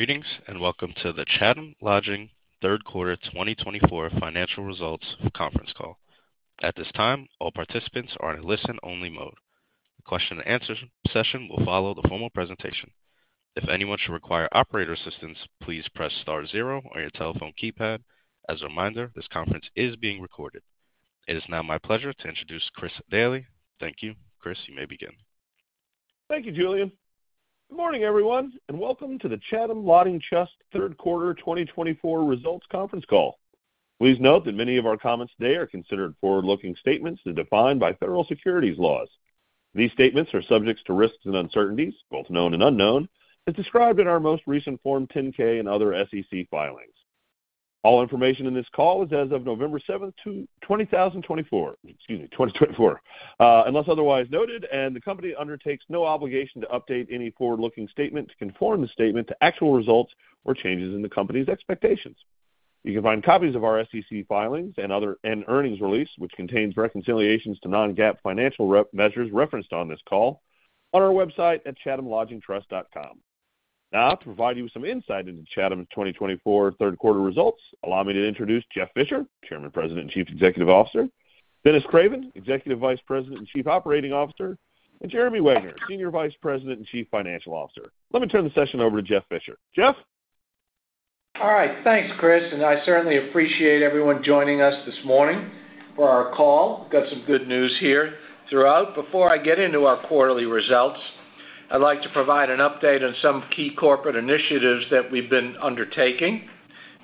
Greetings and welcome to the Chatham Lodging Third Quarter 2024 Financial Results Conference Call. At this time, all participants are in a listen-only mode. The question-and-answer session will follow the formal presentation. If anyone should require operator assistance, please press star zero on your telephone keypad. As a reminder, this conference is being recorded. It is now my pleasure to introduce Chris Daly. Thank you. Chris, you may begin. Thank you, Julian. Good morning, everyone, and welcome to the Chatham Lodging Trust Third Quarter 2024 Results Conference Call. Please note that many of our comments today are considered forward-looking statements as defined by federal securities laws. These statements are subject to risks and uncertainties, both known and unknown, as described in our most recent Form 10-K and other SEC filings. All information in this call is as of November 7, 2024, excuse me, 2024. Unless otherwise noted, and the company undertakes no obligation to update any forward-looking statement to conform the statement to actual results or changes in the company's expectations. You can find copies of our SEC filings and earnings release, which contains reconciliations to non-GAAP financial measures referenced on this call, on our website at chathamlodgingtrust.com. Now, to provide you with some insight into Chatham's 2024 Third Quarter results, allow me to introduce Jeff Fisher, Chairman, President, and Chief Executive Officer. Dennis Craven, Executive Vice President and Chief Operating Officer, and Jeremy Wegner, Senior Vice President and Chief Financial Officer. Let me turn the session over to Jeff Fisher. Jeff? All right. Thanks, Chris. And I certainly appreciate everyone joining us this morning for our call. We've got some good news here throughout. Before I get into our quarterly results, I'd like to provide an update on some key corporate initiatives that we've been undertaking.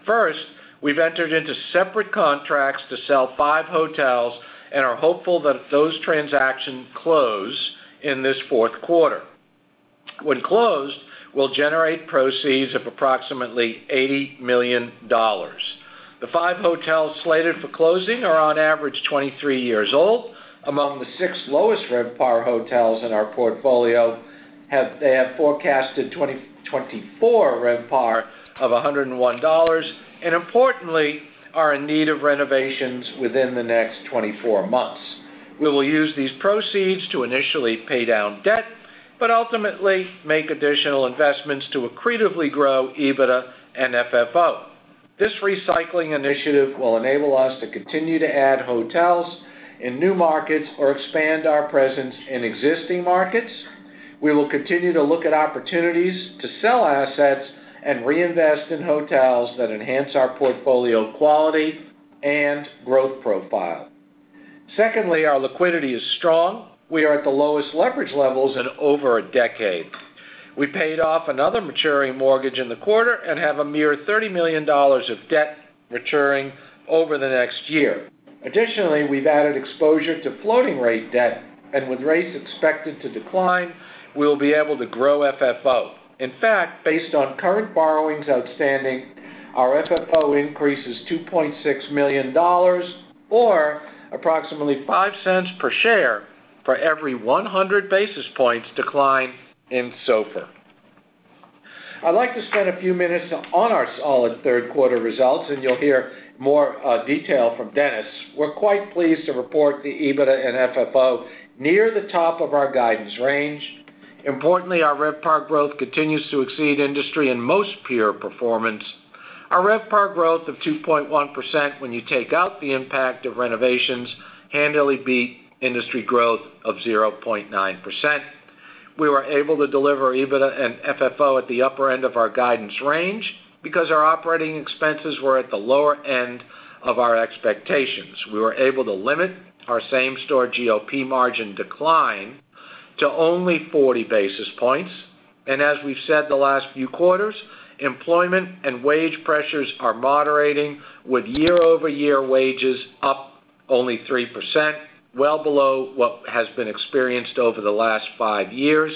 First, we've entered into separate contracts to sell five hotels and are hopeful that those transactions close in this fourth quarter. When closed, we'll generate proceeds of approximately $80 million. The five hotels slated for closing are on average 23 years old. Among the six lowest RevPAR hotels in our portfolio, they have forecasted 2024 RevPAR of $101 and, importantly, are in need of renovations within the next 24 months. We will use these proceeds to initially pay down debt but ultimately make additional investments to accretively grow EBITDA and FFO. This recycling initiative will enable us to continue to add hotels in new markets or expand our presence in existing markets. We will continue to look at opportunities to sell assets and reinvest in hotels that enhance our portfolio quality and growth profile. Secondly, our liquidity is strong. We are at the lowest leverage levels in over a decade. We paid off another maturing mortgage in the quarter and have a mere $30 million of debt maturing over the next year. Additionally, we've added exposure to floating-rate debt, and with rates expected to decline, we'll be able to grow FFO. In fact, based on current borrowings outstanding, our FFO increase is $2.6 million or approximately $0.05 per share for every 100 basis points decline in SOFR. I'd like to spend a few minutes on our solid third quarter results, and you'll hear more detail from Dennis. We're quite pleased to report the EBITDA and FFO near the top of our guidance range. Importantly, our RevPAR growth continues to exceed industry and most peer performance. Our RevPAR growth of 2.1%, when you take out the impact of renovations, handily beat industry growth of 0.9%. We were able to deliver EBITDA and FFO at the upper end of our guidance range because our operating expenses were at the lower end of our expectations. We were able to limit our same-store GOP margin decline to only 40 basis points, and as we've said the last few quarters, employment and wage pressures are moderating, with year-over-year wages up only 3%, well below what has been experienced over the last five years,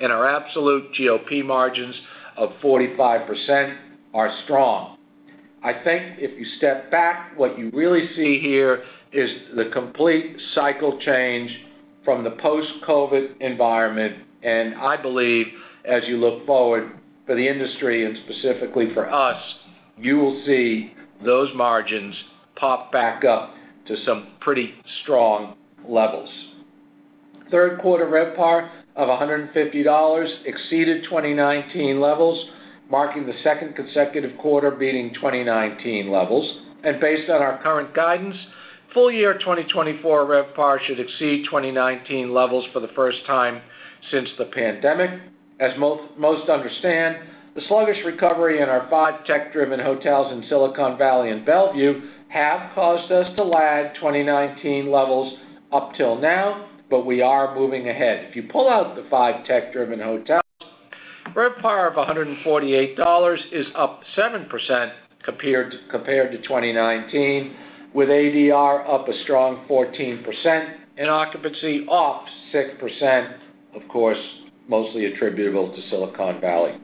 and our absolute GOP margins of 45% are strong. I think if you step back, what you really see here is the complete cycle change from the post-COVID environment. And I believe, as you look forward for the industry and specifically for us, you will see those margins pop back up to some pretty strong levels. Third quarter RevPAR of $150 exceeded 2019 levels, marking the second consecutive quarter beating 2019 levels. And based on our current guidance, full year 2024 RevPAR should exceed 2019 levels for the first time since the pandemic. As most understand, the sluggish recovery in our five tech-driven hotels in Silicon Valley and Bellevue has caused us to lag 2019 levels up till now, but we are moving ahead. If you pull out the five tech-driven hotels, RevPAR of $148 is up 7% compared to 2019, with ADR up a strong 14% and occupancy off 6%, of course, mostly attributable to Silicon Valley.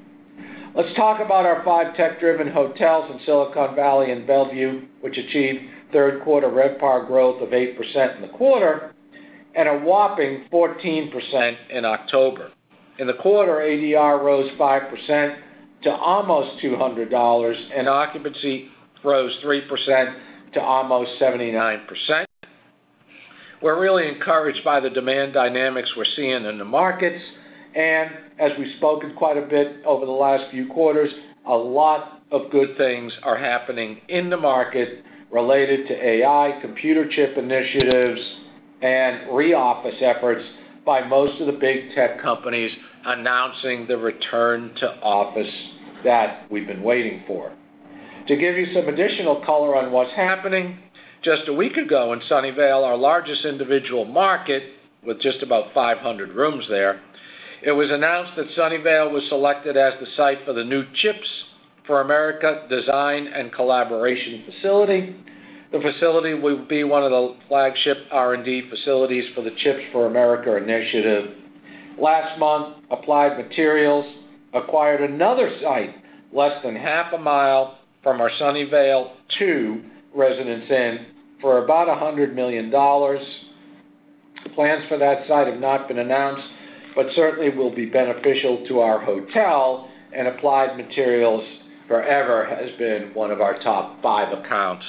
Let's talk about our five tech-driven hotels in Silicon Valley and Bellevue, which achieved third quarter RevPAR growth of 8% in the quarter and a whopping 14% in October. In the quarter, ADR rose 5% to almost $200, and occupancy rose 3% to almost 79%. We're really encouraged by the demand dynamics we're seeing in the markets. And as we've spoken quite a bit over the last few quarters, a lot of good things are happening in the market related to AI, computer chip initiatives, and re-office efforts by most of the big tech companies announcing the return to office that we've been waiting for. To give you some additional color on what's happening, just a week ago in Sunnyvale, our largest individual market, with just about 500 rooms there, it was announced that Sunnyvale was selected as the site for the new CHIPS for America Design and Collaboration Facility. The facility will be one of the flagship R&D facilities for the CHIPS for America initiative. Last month, Applied Materials acquired another site less than half a mile from our Sunnyvale two Residence Inns for about $100 million. Plans for that site have not been announced, but certainly will be beneficial to our hotels. Applied Materials has forever been one of our top five accounts.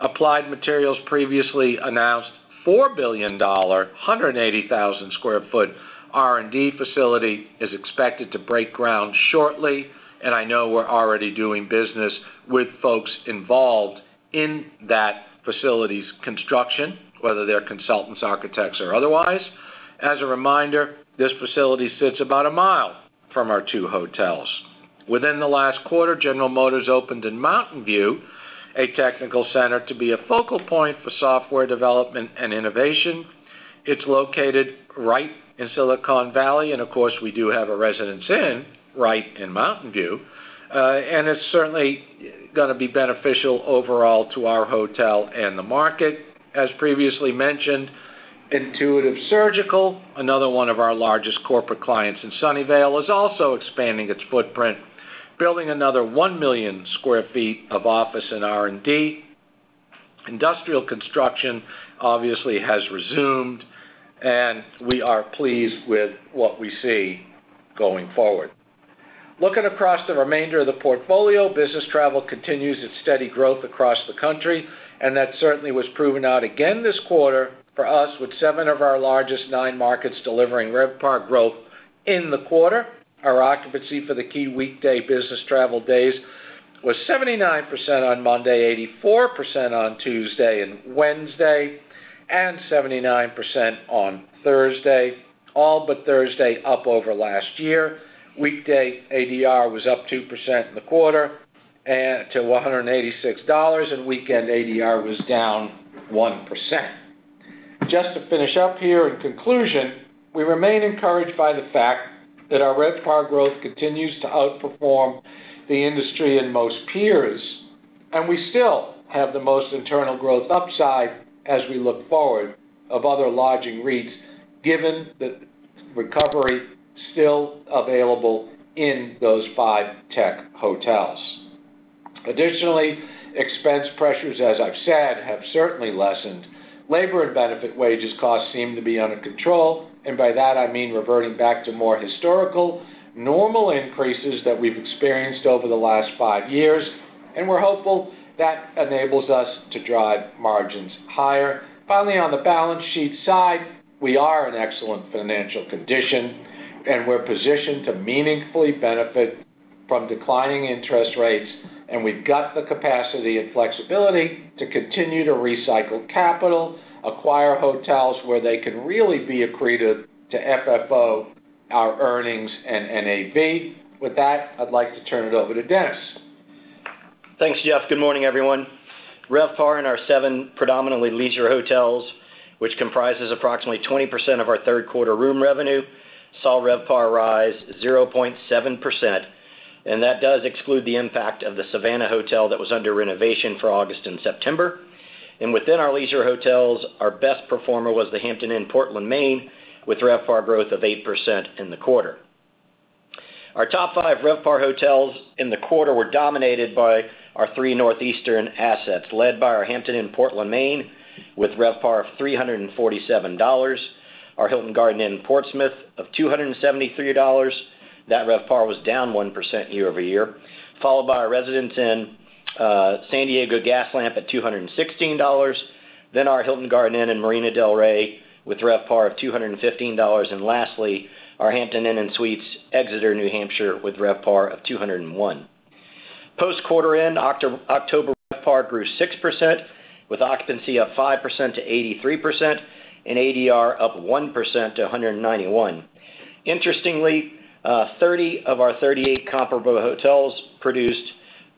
Applied Materials previously announced a $4 billion, 180,000 sq ft R&D facility is expected to break ground shortly. I know we're already doing business with folks involved in that facility's construction, whether they're consultants, architects, or otherwise. As a reminder, this facility sits about a mile from our two hotels. Within the last quarter, General Motors opened in Mountain View a technical center to be a focal point for software development and innovation. It's located right in Silicon Valley. And of course, we do have a Residence Inn right in Mountain View. And it's certainly going to be beneficial overall to our hotel and the market. As previously mentioned, Intuitive Surgical, another one of our largest corporate clients in Sunnyvale, is also expanding its footprint, building another 1 million sq ft of office and R&D. Industrial construction obviously has resumed, and we are pleased with what we see going forward. Looking across the remainder of the portfolio, business travel continues its steady growth across the country. And that certainly was proven out again this quarter for us, with seven of our largest nine markets delivering RevPAR growth in the quarter. Our occupancy for the key weekday business travel days was 79% on Monday, 84% on Tuesday and Wednesday, and 79% on Thursday, all but Thursday up over last year. Weekday ADR was up 2% in the quarter to $186, and weekend ADR was down 1%. Just to finish up here, in conclusion, we remain encouraged by the fact that our RevPAR growth continues to outperform the industry and most peers. And we still have the most internal growth upside as we look ahead of other lodging REITs, given the recovery still available in those five tech hotels. Additionally, expense pressures, as I've said, have certainly lessened. Labor and benefit wages costs seem to be under control. And by that, I mean reverting back to more historical, normal increases that we've experienced over the last five years. And we're hopeful that enables us to drive margins higher. Finally, on the balance sheet side, we are in excellent financial condition, and we're positioned to meaningfully benefit from declining interest rates. And we've got the capacity and flexibility to continue to recycle capital, acquire hotels where they can really be accretive to FFO, our earnings, and NAV. With that, I'd like to turn it over to Dennis. Thanks, Jeff. Good morning, everyone. RevPAR and our seven predominantly leisure hotels, which comprises approximately 20% of our third quarter room revenue, saw RevPAR rise 0.7%. That does exclude the impact of the Savannah Hotel that was under renovation for August and September. Within our leisure hotels, our best performer was the Hampton Inn Portland, Maine, with RevPAR growth of 8% in the quarter. Our top five RevPAR hotels in the quarter were dominated by our three northeastern assets, led by our Hampton Inn Portland, Maine, with RevPAR of $347, our Hilton Garden Inn Portsmouth of $273. That RevPAR was down 1% year-over-year, followed by our Residence Inn San Diego Gaslamp at $216, then our Hilton Garden Inn in Marina del Rey with RevPAR of $215, and lastly, our Hampton Inn & Suites Exeter, New Hampshire with RevPAR of $201. Post-quarter-end, October RevPAR grew 6%, with occupancy up 5%-83% and ADR up 1% to $191. Interestingly, 30 of our 38 comparable hotels produced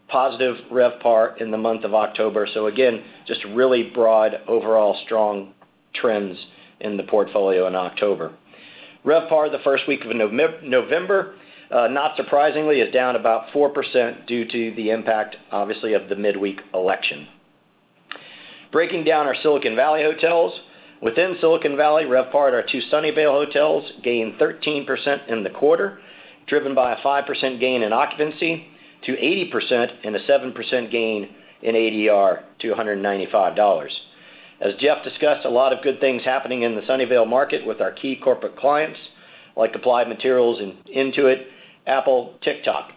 positive RevPAR in the month of October. So again, just really broad overall strong trends in the portfolio in October. RevPAR the first week of November, not surprisingly, is down about 4% due to the impact, obviously, of the midweek election. Breaking down our Silicon Valley hotels, within Silicon Valley, RevPAR at our two Sunnyvale hotels gained 13% in the quarter, driven by a 5% gain in occupancy to 80% and a 7% gain in ADR to $195. As Jeff discussed, a lot of good things happening in the Sunnyvale market with our key corporate clients like Applied Materials and Intuit, Apple, TikTok.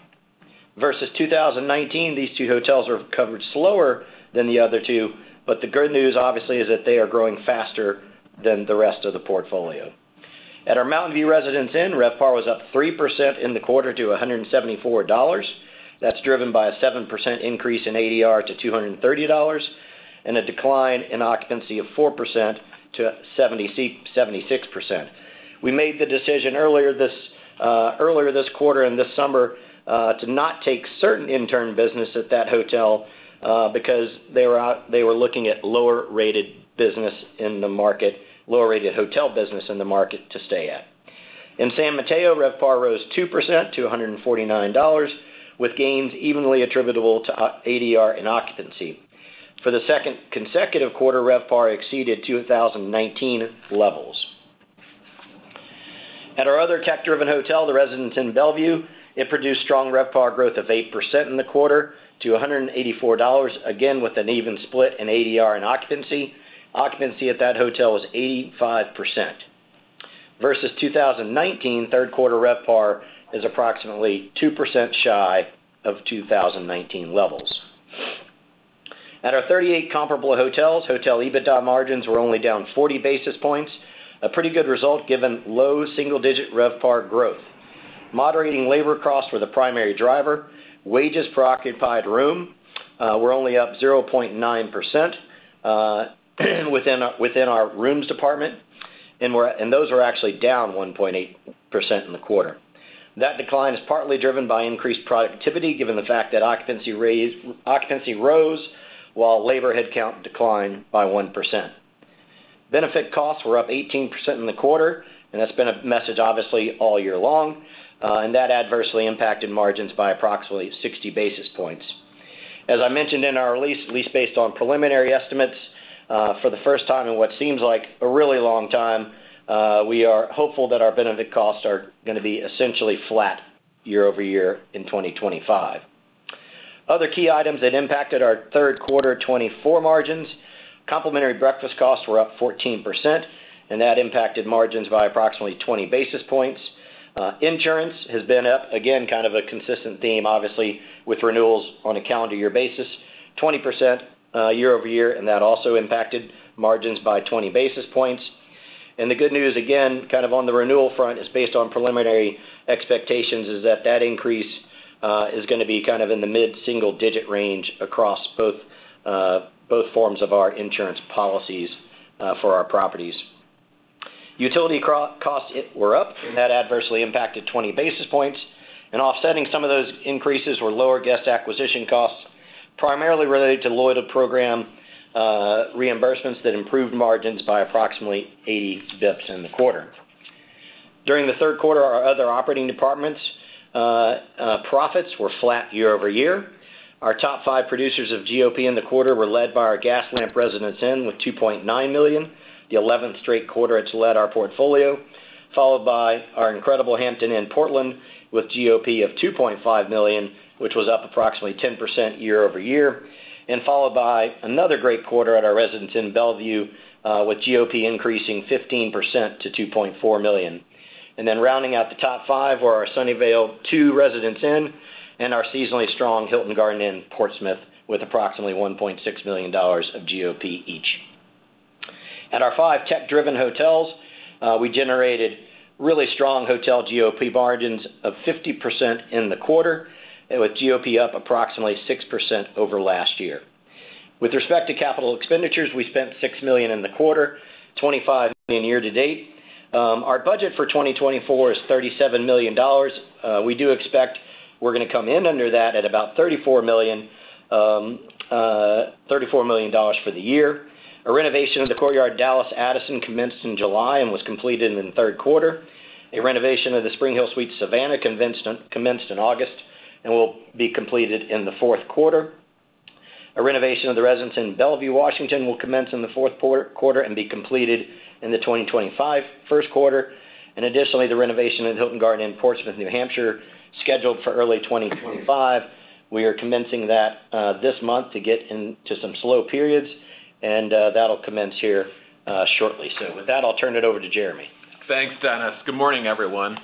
Versus 2019, these two hotels recovered slower than the other two. But the good news, obviously, is that they are growing faster than the rest of the portfolio. At our Mountain View Residence Inn, RevPAR was up 3% in the quarter to $174. That's driven by a 7% increase in ADR to $230 and a decline in occupancy of 4% to 76%. We made the decision earlier this quarter and this summer to not take certain intern business at that hotel because they were looking at lower-rated business in the market, lower-rated hotel business in the market to stay at. In San Mateo, RevPAR rose 2% to $149, with gains evenly attributable to ADR and occupancy. For the second consecutive quarter, RevPAR exceeded 2019 levels. At our other tech-driven hotel, the Residence Inn Bellevue, it produced strong RevPAR growth of 8% in the quarter to $184, again with an even split in ADR and occupancy. Occupancy at that hotel was 85%. Versus 2019, third quarter RevPAR is approximately 2% shy of 2019 levels. At our 38 comparable hotels, hotel EBITDA margins were only down 40 basis points, a pretty good result given low single-digit RevPAR growth. Moderating labor costs were the primary driver. Wages per occupied room were only up 0.9% within our rooms department, and those were actually down 1.8% in the quarter. That decline is partly driven by increased productivity given the fact that occupancy rose while labor headcount declined by 1%. Benefit costs were up 18% in the quarter, and that's been a message, obviously, all year long, and that adversely impacted margins by approximately 60 basis points. As I mentioned in our release, at least based on preliminary estimates, for the first time in what seems like a really long time, we are hopeful that our benefit costs are going to be essentially flat year-over-year in 2025. Other key items that impacted our third quarter 2024 margins, complimentary breakfast costs were up 14%, and that impacted margins by approximately 20 basis points. Insurance has been up, again, kind of a consistent theme, obviously, with renewals on a calendar year basis, 20% year-over-year, and that also impacted margins by 20 basis points. And the good news, again, kind of on the renewal front, is based on preliminary expectations, is that that increase is going to be kind of in the mid-single-digit range across both forms of our insurance policies for our properties. Utility costs were up, and that adversely impacted 20 basis points. And offsetting some of those increases were lower guest acquisition costs, primarily related to loyalty program reimbursements that improved margins by approximately 80 basis points in the quarter. During the third quarter, our other operating departments' profits were flat year-over-year. Our top five producers of GOP in the quarter were led by our Gaslamp Residence Inn with $2.9 million, the 11th straight quarter it's led our portfolio, followed by our incredible Hampton Inn Portland with GOP of $2.5 million, which was up approximately 10% year-over-year, and followed by another great quarter at our Residence Inn Bellevue with GOP increasing 15% to $2.4 million. And then rounding out the top five were our Sunnyvale II Residence Inn and our seasonally strong Hilton Garden Inn Portsmouth with approximately $1.6 million of GOP each. At our five tech-driven hotels, we generated really strong hotel GOP margins of 50% in the quarter, with GOP up approximately 6% over last year. With respect to capital expenditures, we spent $6 million in the quarter, $25 million year-to-date. Our budget for 2024 is $37 million. We do expect we're going to come in under that at about $34 million for the year. A renovation of the Courtyard Dallas Addison commenced in July and was completed in the third quarter. A renovation of the SpringHill Suites Savannah commenced in August and will be completed in the fourth quarter. A renovation of the Residence Inn Bellevue, Washington, will commence in the fourth quarter and be completed in the 2025 first quarter. And additionally, the renovation of the Hilton Garden Inn Portsmouth, New Hampshire, scheduled for early 2025. We are commencing that this month to get into some slow periods, and that'll commence here shortly. So with that, I'll turn it over to Jeremy. Thanks, Dennis. Good morning, everyone.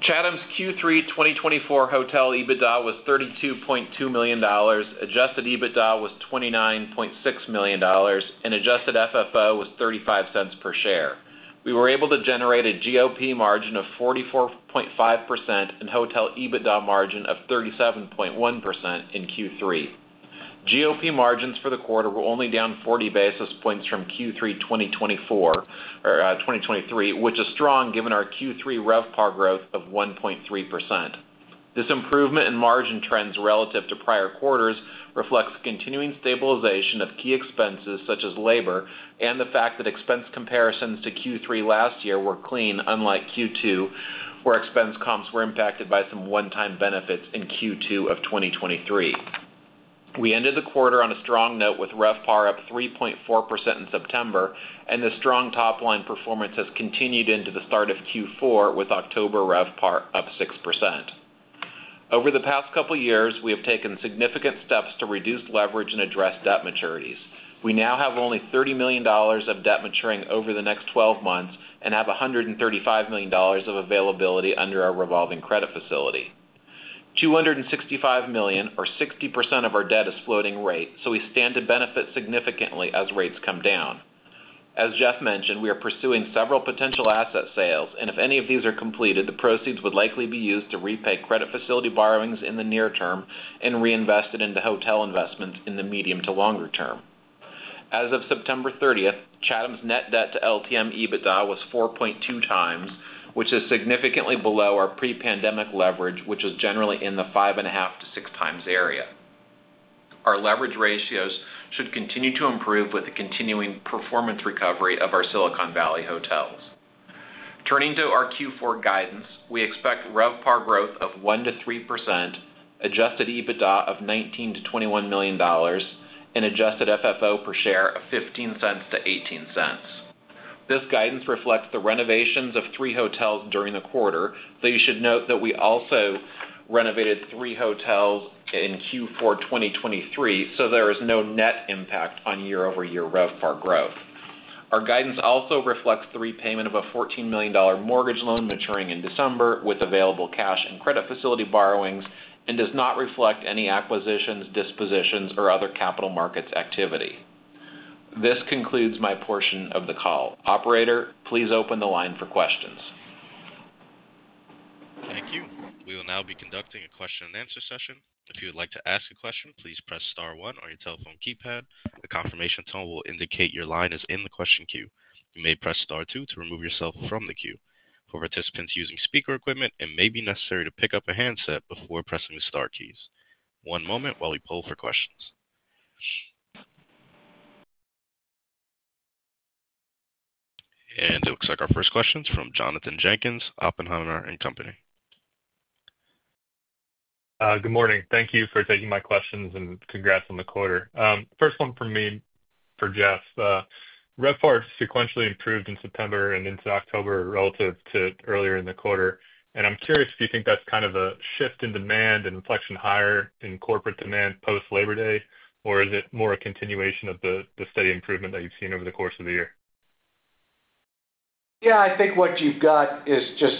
Chatham's Q3 2024 hotel EBITDA was $32.2 million. Adjusted EBITDA was $29.6 million, and adjusted FFO was $0.35 per share. We were able to generate a GOP margin of 44.5% and hotel EBITDA margin of 37.1% in Q3. GOP margins for the quarter were only down 40 basis points from Q3 2023, which is strong given our Q3 RevPAR growth of 1.3%. This improvement in margin trends relative to prior quarters reflects continuing stabilization of key expenses such as labor and the fact that expense comparisons to Q3 last year were clean, unlike Q2, where expense comps were impacted by some one-time benefits in Q2 of 2023. We ended the quarter on a strong note with RevPAR up 3.4% in September, and the strong top-line performance has continued into the start of Q4 with October RevPAR up 6%. Over the past couple of years, we have taken significant steps to reduce leverage and address debt maturities. We now have only $30 million of debt maturing over the next 12 months and have $135 million of availability under our revolving credit facility. $265 million, or 60% of our debt, is floating rate, so we stand to benefit significantly as rates come down. As Jeff mentioned, we are pursuing several potential asset sales, and if any of these are completed, the proceeds would likely be used to repay credit facility borrowings in the near term and reinvested into hotel investments in the medium to longer term. As of September 30th, Chatham's net debt to LTM EBITDA was 4.2x which is significantly below our pre-pandemic leverage, which was generally in the 5.5x-6x area. Our leverage ratios should continue to improve with the continuing performance recovery of our Silicon Valley hotels. Turning to our Q4 guidance, we expect RevPAR growth of 1%-3%, adjusted EBITDA of $19 million-$21 million, and adjusted FFO per share of $0.15-$0.18. This guidance reflects the renovations of three hotels during the quarter, though you should note that we also renovated three hotels in Q4 2023, so there is no net impact on year-over-year RevPAR growth. Our guidance also reflects the repayment of a $14 million mortgage loan maturing in December with available cash and credit facility borrowings and does not reflect any acquisitions, dispositions, or other capital markets activity. This concludes my portion of the call. Operator, please open the line for questions. Thank you. We will now be conducting a question-and-answer session. If you would like to ask a question, please press star one on your telephone keypad. The confirmation tone will indicate your line is in the question queue. You may press star two to remove yourself from the queue. For participants using speaker equipment, it may be necessary to pick up a handset before pressing the star keys. One moment while we pull for questions, and it looks like our first question is from Jonathan Jenkins, Oppenheimer & Company. Good morning. Thank you for taking my questions and congrats on the quarter. First one for me, for Jeff. RevPAR sequentially improved in September and into October relative to earlier in the quarter. And I'm curious if you think that's kind of a shift in demand and inflection higher in corporate demand post-Labor Day, or is it more a continuation of the steady improvement that you've seen over the course of the year? Yeah, I think what you've got is just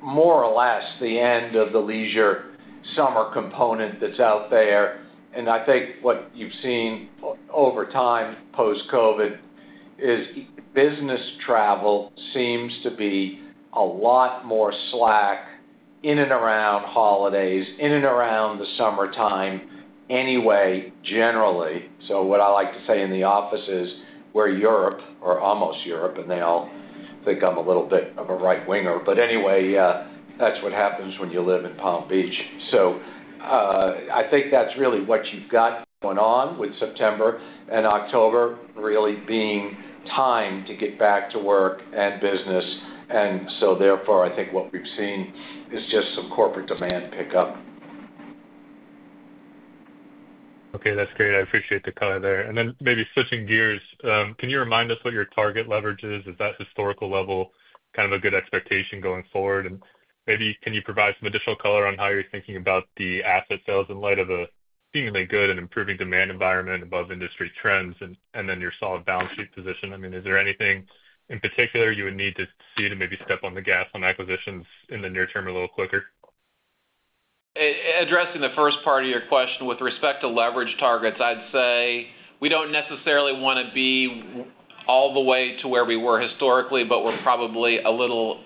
more or less the end of the leisure summer component that's out there. And I think what you've seen over time post-COVID is business travel seems to be a lot more slack in and around holidays, in and around the summertime anyway, generally. So what I like to say in the office is we're Europe or almost Europe, and they all think I'm a little bit of a right-winger. But anyway, that's what happens when you live in Palm Beach. So I think that's really what you've got going on with September and October really being time to get back to work and business. And so therefore, I think what we've seen is just some corporate demand pickup. Okay, that's great. I appreciate the color there. And then maybe switching gears, can you remind us what your target leverage is? Is that historical level kind of a good expectation going forward? And maybe can you provide some additional color on how you're thinking about the asset sales in light of a seemingly good and improving demand environment above industry trends and then your solid balance sheet position? I mean, is there anything in particular you would need to see to maybe step on the gas on acquisitions in the near term a little quicker? Addressing the first part of your question with respect to leverage targets, I'd say we don't necessarily want to be all the way to where we were historically, but we're probably a little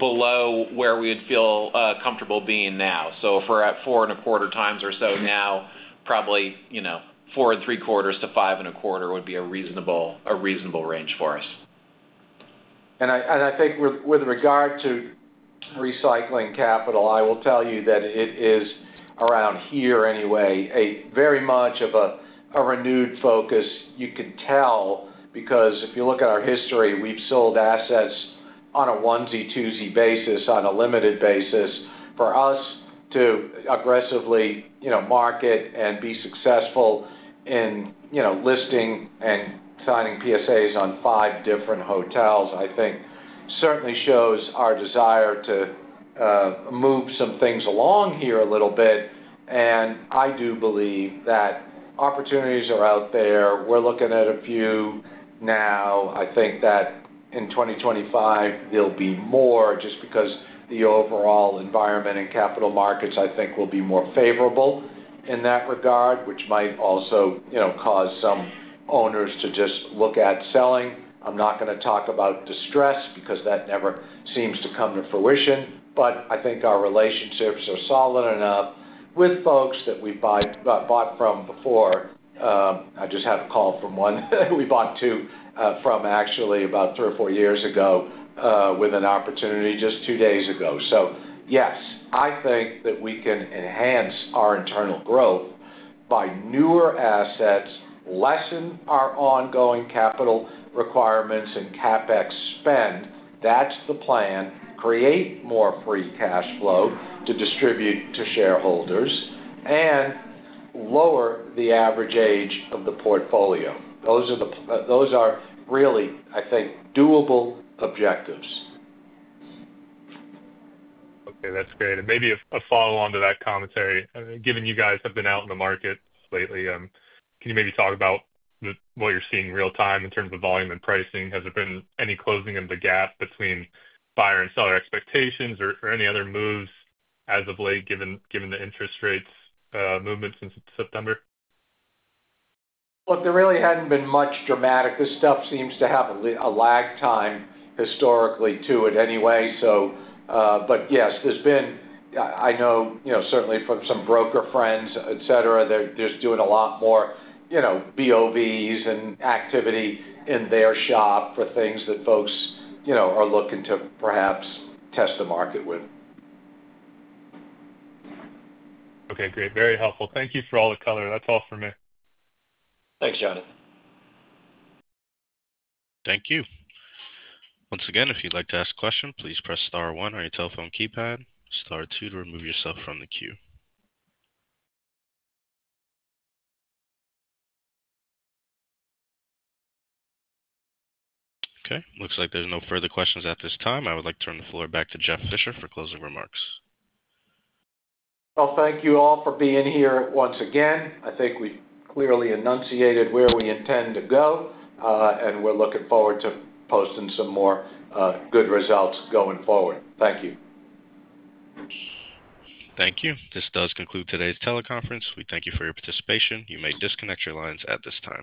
below where we would feel comfortable being now. If we're at 4.25x or so now, probably 4.75x-5.25x would be a reasonable range for us. And I think with regard to recycling capital, I will tell you that it is around here anyway, very much of a renewed focus. You can tell because if you look at our history, we've sold assets on a onesie, twosie basis, on a limited basis. For us to aggressively market and be successful in listing and signing PSAs on five different hotels, I think certainly shows our desire to move some things along here a little bit. And I do believe that opportunities are out there. We're looking at a few now. I think that in 2025, there'll be more just because the overall environment and capital markets, I think, will be more favorable in that regard, which might also cause some owners to just look at selling. I'm not going to talk about distress because that never seems to come to fruition, but I think our relationships are solid enough with folks that we've bought from before. I just had a call from one that we bought two from actually about three or four years ago with an opportunity just two days ago. So yes, I think that we can enhance our internal growth by newer assets, lessen our ongoing capital requirements, and CapEx spend. That's the plan. Create more free cash flow to distribute to shareholders and lower the average age of the portfolio. Those are really, I think, doable objectives. Okay, that's great. Maybe a follow-on to that commentary, given you guys have been out in the market lately, can you maybe talk about what you're seeing real-time in terms of volume and pricing? Has there been any closing of the gap between buyer and seller expectations or any other moves as of late, given the interest rates movement since September? Look, there really hadn't been much dramatic. This stuff seems to have a lag time historically to it anyway. But yes, there's been, I know certainly from some broker friends, etc., they're just doing a lot more BOVs and activity in their shop for things that folks are looking to perhaps test the market with. Okay, great. Very helpful. Thank you for all the color. That's all for me. Thanks, Johnny. Thank you. Once again, if you'd like to ask a question, please press star one on your telephone keypad, star two to remove yourself from the queue. Okay. Looks like there's no further questions at this time. I would like to turn the floor back to Jeff Fisher for closing remarks. Thank you all for being here once again. I think we've clearly enunciated where we intend to go, and we're looking forward to posting some more good results going forward. Thank you. Thank you. This does conclude today's teleconference. We thank you for your participation. You may disconnect your lines at this time.